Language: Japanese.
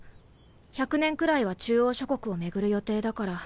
１００年くらいは中央諸国を巡る予定だから。